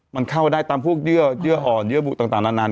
มันเข้าได้ตามพวกเยื่ออ่อนเยื่อบุต่างนาน